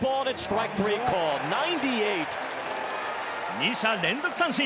２者連続三振。